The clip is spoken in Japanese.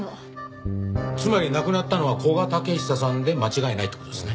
つまり亡くなったのは古賀武久さんで間違いないって事ですね？